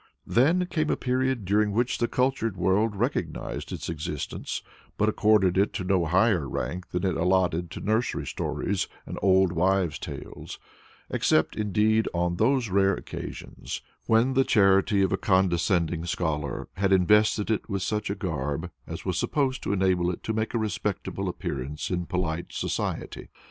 Then came a period during which the cultured world recognized its existence, but accorded to it no higher rank than that allotted to "nursery stories" and "old wives' tales" except, indeed, on those rare occasions when the charity of a condescending scholar had invested it with such a garb as was supposed to enable it to make a respectable appearance in polite society.